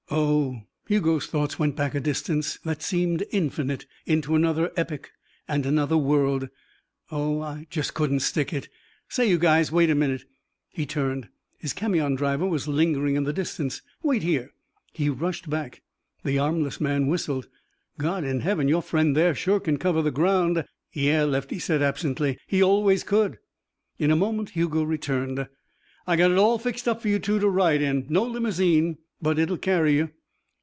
"Oh " Hugo's thoughts went back a distance that seemed infinite, into another epoch and another world "oh, I just couldn't stick it. Say, you guys, wait a minute." He turned. His camion driver was lingering in the distance. "Wait here." He rushed back. The armless man whistled. "God in heaven! Your friend there can sure cover the ground." "Yeah," Lefty said absently. "He always could." In a moment Hugo returned. "I got it all fixed up for you two to ride in. No limousine, but it'll carry you."